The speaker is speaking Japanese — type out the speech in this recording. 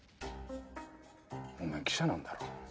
おめえ記者なんだろ？